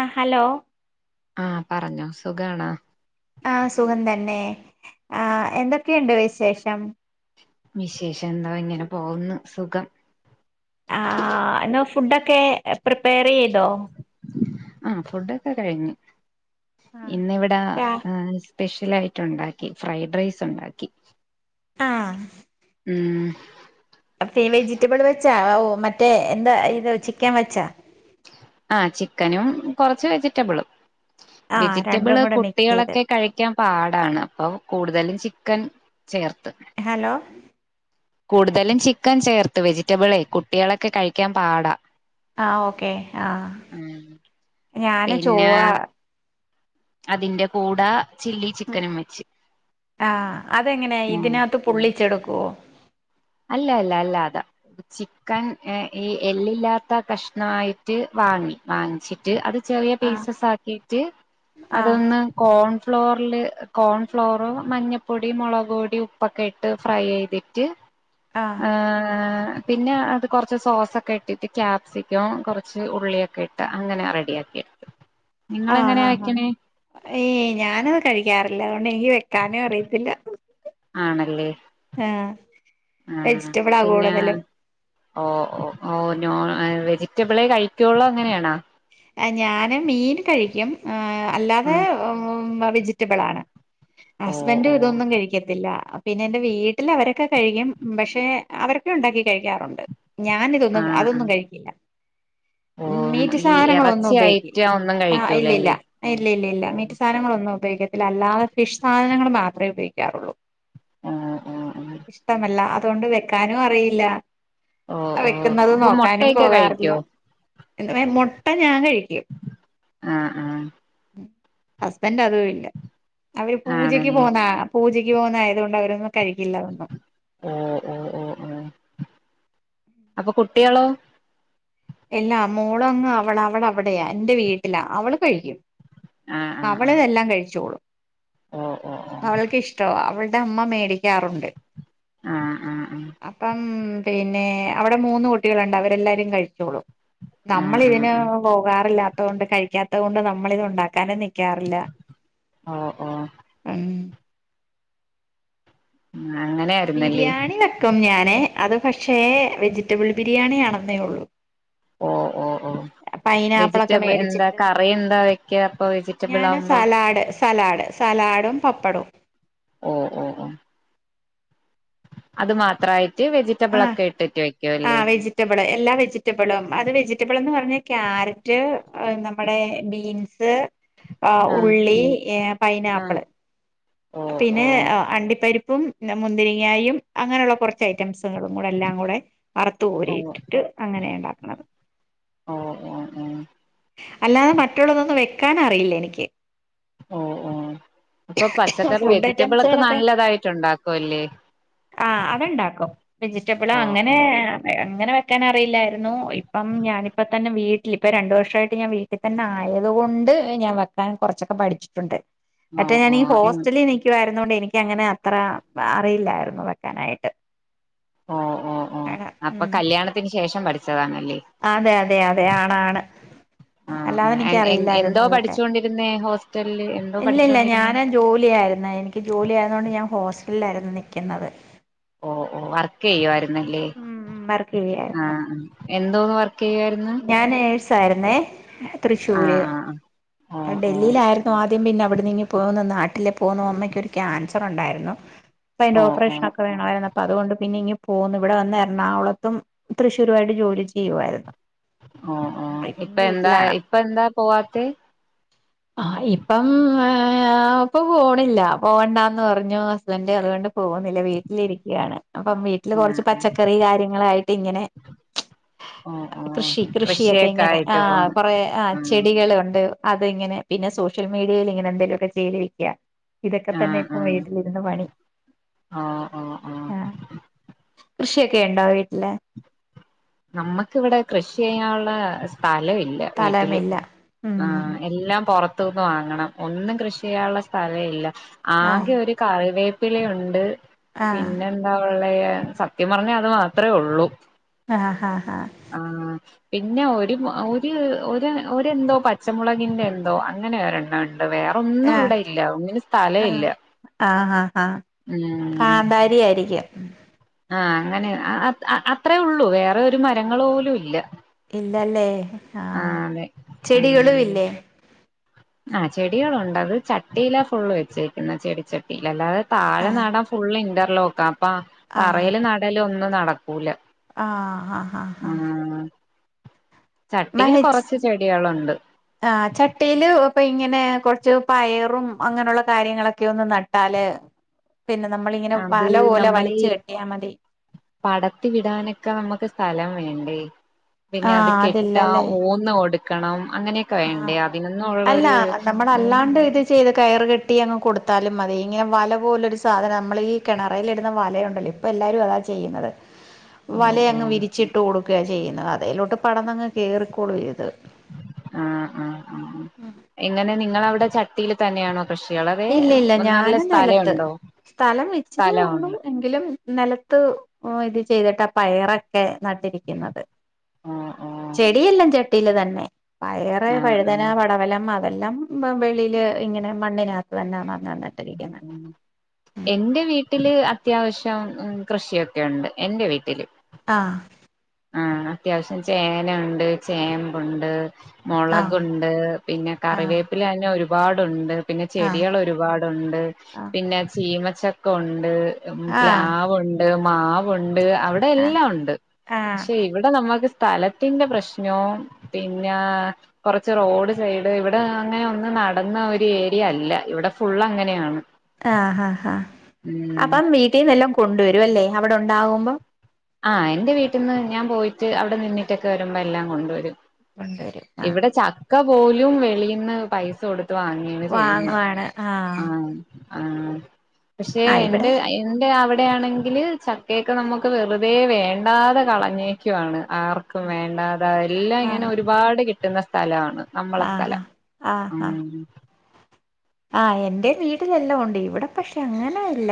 അ hello ആഹ് പറഞ്ഞോ സുഖാണോ ആ സുഖം തന്നെ ആ എന്തൊക്കെയുണ്ട് വിശേഷം വിശേഷം എന്തോ ഇങ്ങനെ പോകുന്നു സുഖം ആ എന്നോ ഫുഡൊക്കെ പ്രിപ്പയർ ചെയ്തോ ആ ഫുഡൊക്കെ കഴിഞ്ഞു ഇന്നിവിടെ ആഹ് [unintelligible] സ്പെഷ്യൽ ആയിട്ട് ഉണ്ടാക്കി ഫ്രൈഡ് റൈസ് ഉണ്ടാക്കി ആ ഉം വെജിറ്റബിൾ വെച്ചാ ഓ മറ്റേ എന്താ ഇത് ചിക്കൻ വച്ച കുറച്ച് വെജിറ്റബിളും രണ്ടും വെജിറ്റബിള് കൂടെ മിക്സ് ചെയ്ത് കുട്ടികളൊക്കെ കഴിക്കാൻ പാടാണ് അപ്പൊ കൂടുതലും ചി ക്കൻ ചേർത്ത് ഹലോ കൂടുതലും ചിക്കൻ ചേർത്ത് വെജിറ്റബിളേ കുട്ടികളൊക്കെ കഴിക്കാൻ പാടാ ആ ഓക്കെ ആ ഉം ഞൻ പിന്നെ ചോറാ അതിന്റെ കൂടെ ചില്ലി ഉം ചിക്കനും വെച്ച് ആ അതെങ്ങനെയ ഉം ഇതിനകത്ത് പുള്ളിച്ചെടു കോ അല്ല അല്ല അല്ല അതാ ചിക്കൻ ഈ എല്ലില്ലാത്ത കഷ്ണമായിട്ട് വാങ്ങി വാങ്ങിച്ചിട്ട് അത് ചെറിയ ആഹ് പീസസ് ആക്കിട്ട് ആഹ് അതൊന്ന് കോൺ ഫ്ലോറിില് കോൺ ഫ്ലോർ മഞ്ഞപ്പൊടി മുളക് പൊടി ഉപ്പൊക്കെ ഇട്ട് ഫ്രൈ ചെയ്തിട്ട് ആഹ് ആ പിന്നെ അത് കുറച്ച് സോസൊക്കെ ഇട്ടിട്ട് ക്യാപ്സിക്കം കുറച്ച് ഉള്ളിയൊ ക്ക ഇട്ട് അങ്ങനെ റെഡി [unintelligible] ആ ആഹ് ആാ ഏ ഞാനത് കഴിക്കാറില്ല [unintelligible] നെയ്യ് വക്കാനും അറിയത്തില്ല ആണല്ലേ ആഹ് ആ വെജിറ്റബിളാ പിന്നെ കൂടുതലും ഓ ഓ നോ ആ വെജിറ്റബിളെ കഴിക്കുയുള്ളൂ അങ്ങനെയാണാ ഞാന് മീൻ കഴിക്കും ആ അല്ലാതെ ഉം വെജിറ്റബിളാണ് ഓ ഹസ്ബൻഡും ഓ ഇതൊന്നും കഴിക്കത്തില്ല പിന്നെ എന്റെ വീട്ടിൽ അവരൊക്കെ കഴിക്കും പക്ഷെ അവരൊക്കെ ഉണ്ടാക്കി കഴിക്കാറുണ്ട് ഞാനിതൊന്നും അതൊന്നും കഴിക്കില്ല ഓമ് സാനങ്ങളൊന്നും ഉപയോഗിക്കില്ല ആ ഇല്ലില്ല കഴിക്കൂലല്ലേ ഇല്ലില്ലില്ല മീറ്റ് സാനങ്ങളൊന്നും ഒന്നും ഉപയോഗിക്കത്തില്ല അല്ലാതെ ഫിഷ് സാധനങ്ങൾ മാത്രമേ ഉപയോഗിക്കാറുള്ളൂ ആഹ് ആഹ് ആഹ് ഇഷ്ടമല്ല അതുകൊണ്ട് വെക്കാനും അറിയില്ല ഓ ഓ വെക്കുന്നത് ഇപ്പൊ മുട്ടയൊക്കെ കഴിക്കോ ഇതെവേ മൊ മുട്ട ഞാനെ ആ ആ ഹസ്ബൻഡ് അതുവില്ല അവര് പൂജയ്ക്ക് ആണല്ലേ പോന്നാ പൂജക്ക് ക്ക് പോകുന്നതായതുകൊണ്ട് അവരൊന്നും കഴിക്കില്ല അതൊന്നും ഓ ഓ ഓ ഓ അപ്പൊ കുട്ടികളോ? ഇല്ലാ മോളങ്ങ് അവള് അവളവിടെയാ എന്റെ വീട്ടിലാ അവള് കഴിക്കും ആഹ് ആഹ് ആഹ് അവളിതെല്ലാം കഴിച്ചോളും ഓ ഓ ഓ അവൾക്ക് ഇഷ്ടമാ അവൾ ടെ അമ്മ മേടിക്കാറുണ്ട്. ആഹ് ആഹ് ആഹ് അപ്പം പിന്നെ അവിടെ മൂന്ന് കുട്ടികളുണ്ട് അവരെല്ലാരും കഴിക്ക് ച്ചോളും ആഹ് ആഹ് നമ്മളിതിന് ആഹ് പോകാറില്ലാത്ത് ത്തോണ്ട് കഴിക്കാത്തകൊണ്ട് നമ്മളിത് ഒണ്ടാക്കാനും നിക്ക് ക്കാറില്ല ഓ ഓ ഉം അങ്ങനെയായിരുന്നല്ലേ ബിരിയാണി വെക്കും ഞാന് അത് പക്ഷേ വെജിറ്റബിൾ ബിരിയാണിയാണന്നേ ഒള്ളൂ ഓ ഓ ഓ പൈനാപ്പിളൊക്കെ വെജിറ്റബിൾ എന്താ മേടിച്ചിട്ട് കറി എന്താ വെക്ക അപ്പൊ വെജിറ്റബിൾ ഞാന് ആകുമ്പോ സലാഡ് സലാഡ് സലാഡും പപ്പടവും ഓ ഓ ഓ അത് മാത്രായി വെജിറ്റബിള ആഹ് ഒക്കെ ഇട്ടിട്ട് വെക്കും അല്ലേ ആഹ് വെജിറ്റബിള് എല്ലാ വെജിറ്റബിളും അത് വെജിറ്റബിൾന്ന് പറഞ്ഞ ക്യാരറ്റ് നമ്മുടെ ബീൻസ് ആ ആഹ് ഉള്ളി ഏ ആഹ് പൈനാപ്പിള് ഓ പിന്നെ ഓ അണ്ടിപ്പരി പ്പും മുന്തിരിങ്ങായും അങ്ങനെയുള്ള കുറച്ച് ഐറ്റംസ് കൂടെ എല്ലാം കൂടെ ഓ വറത്തുകോരിയിട്ടിട്ട് അങ്ങനെ ഉണ്ടാക്കത് ഓ ഓ ഓ അല്ലാതെ മറ്റുള്ളതന്ന് വേ ക്കാനറിയില്ല എനിക്ക് ഓ ഓ അപ്പൊ പച്ചക്കറി ഫുഡ് വെജിറ്റബിൾ ഒക്കെ നല്ലതായിട്ട് ഉണ്ടാക്കും അല്ലേ ആ അത്ണ്ടാക്കും വെജിറ്റബിൾ ഓ അങ്ങനെ ഓ അങ്ങനെ വെക്കാൻ അറിയില്ലായിരുന്നു ഇപ്പം ഞാനിപ്പ തന്നെ വീട്ടിൽ ഇപ്പ രണ്ടു വർഷയിട്ട് ഞാൻ വീട്ടിൽ തന്നെ ആയത് കൊണ്ട് ഞാൻ വെക്കാൻ കുറച്ചൊക്കെ പഠിച്ചിട്ടുണ്ട് മറ്റേ ഓ ഞാനീ ഹോസ്റ്റലിൽ നിക്കുയിരുന്നു ണ്ട് എനക്ക്ങ്ങനെ അത്ര അറിയില്ലായിരുന്നു വെക്കാനായിട്ട് ആ ഓ ഓ അട അപ്പൊ ഉം കല്യാണത്തിന് ശേഷം പഠിച്ചതാണ് അതെ അതെ അതെ ആണാണ് ആ അല്ലാതെ എനിക്ക അറിയില്ലായിരുന്നു എന്തോ അതൊക്കെ പഠിച്ചുകൊണ്ടിരുന്നേ ഹോസ്റ്റലില് എന്തോ ഇല്ലല്ല പഠിച്ചോണ്ടിരുന്നേ ഞാനാ ജോലിയായിരുന്ന എനിക്ക് ജോലി ആയതുകൊണ്ട് ഞാൻ ഹോസ് ല്ലായിരുന്നു നൽക്കുന്നത് ഓ ഓ വർക്ക് ചെയ്യുവായി ന്നല്ലേ ഉം വർക്ക് ആ ചെയ്യായിരുന്നു എന്തോന്ന് വ ക്കെയായിരുന്നു സായ്ര്ന്നേ തൃശ്ശൂര് ഓ ഓ ഡൽഹിയിലായിരുന്നു ആദ്യം പിന്നെ അവിടെ നിങ്ങി പോകുന്ന നാ പോന്നു അമ്മയ്ക്കൊരു ക്യാൻസർ ഉണ്ടായിരുന്നു അതിന്റെ ഓ ഓ ഓപ്പറേഷന ഒക്കെവേണമായിരുന്നു അപ്പ അതുകൊണ്ട് പിന്നെ ഇങ്ങ പോകുന്നു ഇവിടെ വന്ന് എറണാകുളത്തും തൃശ്രുരുമായിട്ട് ജോലി ചെയ്യുമായിരുന്നു ഓ ഓ ഇപ്പ എന്താ ഇപ്പ എന്താ പോവാത്തെ ആ അപ്പൊ പോണില്ല പോകണ്ടന്ന് പറഞ്ഞു ഹസ്ബൻഡ അതുകൊണ്ട് പോകുന്നില്ല വീട്ടിലിരിക്കയാണ് അപ്പം വീട്ടില് ആ കൊർച്ച് പച്ചക്കറി കാര്യങ്ങളായിട്ട് ഇങ്ങനെ ഓ ഓ കൃഷി കൃഷിയൊക്കെ ഇങ്ങനെ ആ ആയിട്ട് പോണ് കൊറെ ആ ഉം ചെടികള് ഉണ്ട അത് ഇങ്ങനെ പിന്നെ സോഷ്യൽ മീഡെയിലിങ്ങനെ എന്തെലൊക്കെ ചെയ്തിരിക്ക ഇതൊക്കെ തന്നെ ഇപ്പൊ വീട്ടിലിരുന്ന് പണി ആ ആ ആ കൃഷിയൊക്കെ ഇണ്ടൊ വീട്ട്ല് നമ്മക്ക് ഇവിടെ കൃഷിയ്യാനുള്ള സ്ഥലവില്യാ വീട്ടില് സ്ഥലമില്ല ആ ഉം എല്ലാം പുറത്ത് ന്ന് വാങ്ങണം ഒന്നും കൃഷിയ്യാള്ള സ്ഥലം ഇല്ല ആ ആകെ ഒരു കറിവേ പ്പിലയുണ്ട് ആ പിന്നെ എന്താ ഉ സത്യം പറഞ്ഞാ അത് മാത്രെ ഒള്ളൂ ആഹ് ഹാ ഹാ ആഹ് പിന്നെ ഒരു ഒര് ഒര ഒരന്തോ പച്ചമുളകിന്റെന്തോ അങ്ങനെ ഒരണ്ണണ്ട് ഏ ഏ ഇല്ല ആ അ ആ കാന്താരിയായിരിക്കും ആ അങ്ങനെ അ അ അ അത്രെഒള്ളൂ വേറൊരു മരങ്ങളോലുല്ല ഇല്ലാലെ ആ ആ ചെടികളും ഇല്ലെ ആ ചെടികളുണ്ട് അത് ചട്ടീലാഫുള്ള് വെച്ചേക്കുന്നെ ചെടിച്ചട്ടീല് അല്ലാതെ ആ താഴെ നടാൻ ഫുള്ള് ഇൻ്റർ ലൊക്കാ അപ്പൊ ആ തറയില് ഒ ന്നും നട ആ ഹാ ഹാ ഹാ ചട്ടിയിൽ മെഹച്ച് കൊറച്ച് ചെടികളുണ്ട് ഏ ചട്ടീല് പെയി ഇങ്ങനെ കൊർച്ച് പയറും അങ്ങനൊള്ള കാര്യങ്ങളൊക്കെ ഒന്ന് നട്ടാല് പിന്നെ നമ്മളിങ്ങനെ അത് വല പോലെ നമ്മളീ വലിച്ചു കെട്ടിയാ മതി പടത്തി വിടാനൊക്കാ നമ്മക്ക് സ്ഥലം വേണ്ടേ ആ പിന്നെ അത് കെട്ടാ അതില്ലല്ലേ ഊന്ന് കൊടു ക്കണം ആ അല്ല നമ്മളല്ലാണ്ടെ ഇത് ചെയ്ത് കയറ് കെ ട്ടിയങ്ങ് കൊടുത്താലും മതി ഇങ്ങനെ വലപോലൊരു സാധനം നമ്മളീ കെണറേല് ഇടുന്ന വലയുണ്ടല്ലോ ഇപ്പൊ എല്ലാരും അതാ ചെയ്യുന്നത് ഓ ഓ വലയങ്ങ് വിരിച്ചിട്ട് ഓടും ക്കെ ചെയ്ന്നേ അതിലേട് പടന്ന് അങ്ങ് കോറി കോളത് ആ ആ എങ്ങനെ നിങ്ങളഅവിടെ ചട്ടിയിൽ തന്നെയാണോ കൃഷികള് അതെ ഇല്ല ഇല്ല നല്ല ഞാനും നിലത്ത് സ്ഥലമുണ്ടോ സ്ഥലം ഇച്ചിരി ഉള്ളു സ്ഥലമാണ് എങ്കിലും നിലത്ത് ഇത് ചെയ്ത് ടാ പയർ ഓകെ നടിരികുന്നത് ആഹ് ആഹ് ചെടി എല്ലാം ചേട്ടൻ ട്ടീല് തന്നെ വേറെ ആഹ് വഴുതന ആഹ് പടവലം മത്ത എല്ലാം ഇപ്പോ വെളിയില് ഇങ്ങനെ മണ്ണിന [unintelligible] തന്നാന്ന എന്റെ വീട്ടില് അത്യാവശ്യ കൃഷി ഒക്കെയുണ്ട് എന്റെ വിട്ടില് ആ ആ അത്യാവശ്യം ചേനയുണ്ട് ചേമ്പ്ണ്ട് മുളക്ക് ആഹ് ഉണ്ട് പിന്നെ ആഹ് കറിവേപ്പില തന്നെ ഒരു പാ ഒരു പാടുണ്ട് പിന്നെ ആഹ് ചെടികൾ ഒരുപാടുണ്ട് ആഹ് പിന്നെ ചിമ ചക്ക ഉണ്ട് ആഹ് പ്ലാലാവ് ഉണ്ട് മാവ് ഉണ് ണ്ട് അവിടെ ആഹ് എല്ലാം ഉണ്ട് ആഹ് പക്ഷേ ഇവിടെ നമ്മക്ക് സ്ഥലത്തിന്റെ പ്രശ്നേം പിന്ന കുറച്ച് റോഡ് സെസ് അങ്ങനെ ഒന്ന് നടന്ന് ഒന്ന് എരിയ അല്ല ഇവിടെ ഫുൾ അങ്ങനെയാണ് ആ ഹ ഹ ഉം അപ്പം വിട്ടിന്ന് എല്ലാം കൊണ്ട് വരും ഇതല്ലേ അവിടെ ഉണ്ടാകുമ്പോം ആ എന്റെ വിട്ടിന്ന് ഞാൻ പോയിട്ട് അവിടെ നിന്നിട്ട്ക്കെ വരുമ്പോ എല്ലാം കൊണ്ട് വരും കൊണ്ട് വരും ആ കോലും വേളിയ്ന്ന് പൈസ കൊട് വാങ്ങിയാണ് ചെയുന്ന വാങ്ങുവാണ് ആഹ് ആ ആ പക്ഷേ ആഹ് ഇവിടെ എൻ്റെ എന്റെ അ ഇവിടെയാണെങ്കില് ചക്കയൊക്കെ നമ്മുക്ക് വെറു വേ വേണ്ടതെ കളഞ്ഞേക്കുവാണ് ആർക്കും വേണ്ടാ അതാ എല്ലാം ഇങ്ങനെ ആഹ് ഒരുപാട് കിട്ട കിട്ടുന്ന സ്ഥലാണ് നമ്മളെ ആഹ് സ്ഥലം ആഹ് ആഹ് ഉം ആഹ് എന്റെ വീട്ടിലെല്ലാം ഒണ്ട് ഇവിടെ പക്ഷെ അങ്ങനെ ഇല്ല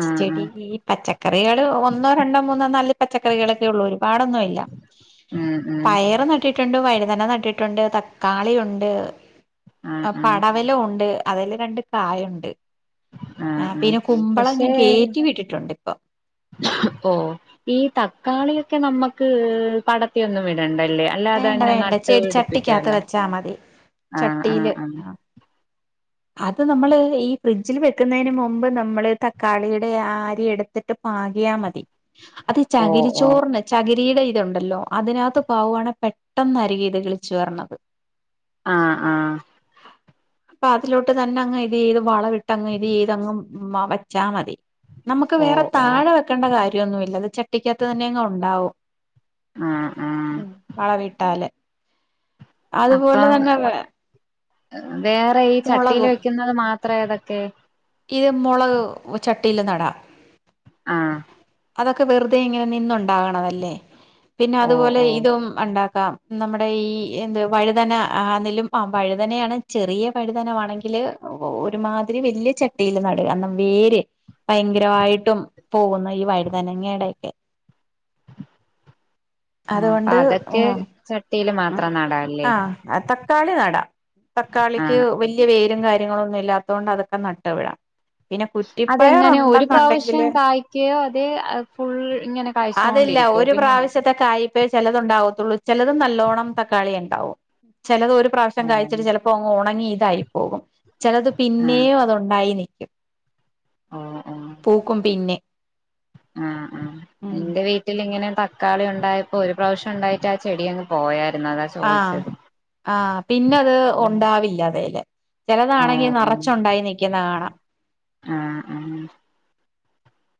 ആഹ് ചെടി ആഹ് പച്ചക്ക കറികള് ഒന്നോ രണ്ടോ മൂന്നോ നല്ല പച്ചക്കറികളൊക്കെ ഉള്ളൂ ഒരുപാടൊന്നും ഇല്ല ഉം ഉം പയറ് നട്ടിട്ട് ണ്ട് വഴുതന നട്ടിട്ടുണ്ട് തക്കാളി ഉണ്ട് ആഹ് ആ ആഹ് പടവലം ഉണ്ട ണ്ട് അതേല് രണ്ട് കായൊണ്ട് ആ ആ പക്ഷേ കേറ്റി വിട്ടിട്ടുണ്ട് ഇപ്പൊ ഓ ഈ തക്കാളിയൊ ക്കെ നമ്മക്ക് പടത്തി ഒന്നും വിടണ്ട വേണ്ട വേണ്ട ചെടി ചട്ടിക്കകത്ത് വെച്ചാ മതി ആഹ് ആഹ് ചട്ടിയില് ആഹ് ആ അത് നമ്മള് ഈ ഫ്രിഡ്ജിൽ വെക്കുന്നതിന് മുൻപ് നമ്മള് തക്കാളിയുടെ ആ അരി എടുത്തിട്ട് പാകിയാ മതി അതെ ഓ ചകിരി ഓ ചോറിന് ചകി ടെ ഇതുണ്ടല്ലോ അതിനകത്ത് പാകുവാണേ പെട്ടെന്നാരിക്കും ഇത് കിളിച്ചു വരണത് ആ ആ പ ത്തിലോട്ട് തന്നെ അങ്ങ് ഇത് ചെയ്ത് വളം ഇട്ട്ങ്ങ് ഇത് ചെയ്ത്ങ് വ വച്ചാ മതി നമുക്ക് ഓ വേറെ ഓ താഴെ വെക്കേണ്ട കാര്യ ഒന്നും ഇല്ല ചട്ടിക്കകത്ത് തന്നെ അങ്ങ് ഒണ്ടാവും ആഹ് ആഹ് ഉം വളം ഇട്ടാല് അതുപോലെ അപ്പം തന്നെ വെ വേറെ ഈ ചട്ടില് വെക്കുന്നത് മാത്ര ത്ര ഏതൊക്കെ? ഈ മൊളക് ചട്ടിയില് നടാം ആഹ് അതൊക്കെ വെറുതെ ഇങ്ങനെ നിന്ന് ഒണ്ടാകണതല്ലേ പിന്നെ ഓ അതുപോലെ ഓ ഇതും ഉണ്ടാ ടാം നമ്മുടെ ഈ എന്ത് വഴുതന ആന്നേലും ആ വഴുതനയാണ് ചെറിയ വഴുതനം ആണെങ്കില് ഒരുമാതിരി വലിയ ചട്ടിയിൽ നടുക വേര് ഭയങ്കരമായിട്ടും പോകുന്ന ഈ വഴു തനങ്ങേടൊക്കെ ആ അപ്പൊ അതുകൊണ്ട് അതൊക്കെ ഉം ചട്ടി ല് മാത്രം നടാല്ലേ ക്കാളി നടാം തക്കാളിക്ക് ആഹ് വല്യ വേരും കാര്യ കാര്യങ്ങൾ ഒന്നുംല്ലാത്തോണ്ട് അതൊക്കെ നട്ട് വിടാം. പിന്നെ കുറ്റിപ്പയർ അതെങ്ങനെ ഒരു പ്രാവശ്യം ഉണ്ടെന്നുണ്ടെങ്കില് കായ്ക്കയോ അതോ ഫുള്ള് ഇങ്ങനെ കായ്ച്ചോണ്ടിരിക്കോ പിന്നെ പ്പെ ചെലത് ഉണ്ടാവത്തള്ളു ചെലത് നല്ലോണം ന്നം തക്കാളിയിണ്ടാവും. ചെലത് ഒരു പ്രാവശ്യം കായിച്ചിട്ട് ചെലപ്പോ അങ്ങ് ഒണ ങ്ങി യിതായിപ്പോവും. ചെലത് ആഹ് പിന്നെയും അത് ഉണ്ടായിനി പൂക്കും പിന്നെ ആ ആ എന്റെ വീട്ടില്ങ്ങനെ ത ക്കാളി ഉണ്ടായപ്പോ ഒരു പ്രാവശ്യം ഉണ്ടായിട്ട് ആ ചെടി അങ്ങ് പോയായി ആ ആ പിന്നെ അത് ഉണ്ടാവില്ല അതേ ചെലതാണങ്കി ഓഹ് ഓഹ് നെറച്ച് ഉണ്ടായി നിൽക്കുന്ന കാണാ ആഹ് ആഹ്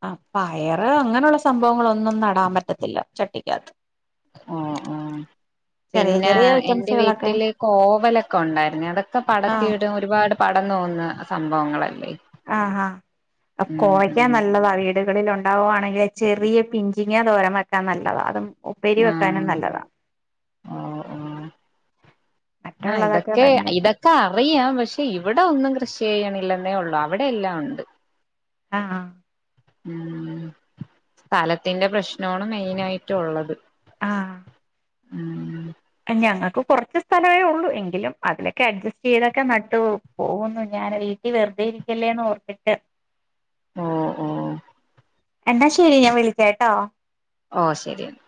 ആ പയറ് അങ്ങനെള്ള സംഭവങ്ങൾ ഒന്നും നടാൻ പറ്റത്തില്ല ചട്ടിക്കകത്ത്. ആ ആ ചെറിയ പിന്നെ ചെറിയ എന്റെ ഐറ്റംസുകളൊക്കെ വീട്ടില് കോവലക്കെ ഉണ്ടായിരുന്നേ അതൊക്കെ ആഹ് പടത്തിയിടും ഒരുപാട് പടന്നുപോവുന്ന സംഭവങ്ങളല്ലേ ആ ആ ഉം കോവക്ക ഉം നല്ലതാ വീടുകളിൽ ഉണ്ടാവുണെങ്കിൽ ചെറിയ പിഞ്ച് ങ്ങാ തോരൻ വെക്കാൻ നല്ലതാ അതും ഉപ്പേരി ആ വെക്കാനും നല്ലതാ ആ ഓ ഓ ആ മറ്റുള്ളതൊക്കെ ഇതൊക്കെ ഭയങ്കര ഇതൊക്കെ അറിയാം പക്ഷേ ഇവിടെ ഒന്നും കൃഷി ചെയ്യിണില്ലന്നേ ഉള്ളൂ അവിടെ എല്ലാ ഒണ്ട്. ആ ആ ഉം സ്ഥലത്തിന്റെ പ്രശ്നോണ് മെയിന് ആയിറ്റൊള്ളത്. ആഹ് ഉം ഞങ്ങക്ക് കൊറച്ച് സ്ഥലമേ ഒള്ളൂ എങ്കിലും അതിലൊക്കെ അഡ്ജസ്റ്റ് ചെയ്തൊക്കെ നട്ടു പോക് പോകുന്നു ഞാന് വീട്ടില് വെറുതെ ഇരിക്കല്ലേന്നോർത്തിട്ട്. ഓ ഓ എന്നാ ശരി ഞാൻ വിളിക്കാട്ടോ. ഓ ശരിയെന്നാ